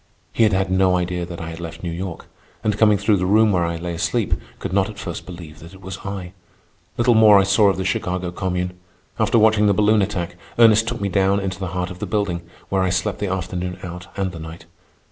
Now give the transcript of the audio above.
He had had no idea that I had left New York, and, coming through the room where I lay asleep, could not at first believe that it was I. Little more I saw of the Chicago Commune. After watching the balloon attack, Ernest took me down into the heart of the building, where I slept the afternoon out and the night.